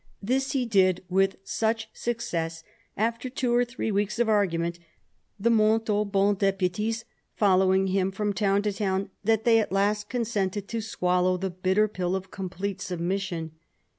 This he did with such success, after two or three weeks of argument, the Montauban deputies following him from town to town, that they at last consented to swallow the bitter pill of complete submission.